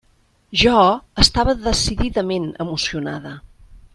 Jo estava decididament emocionada.